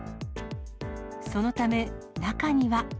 そのため中には。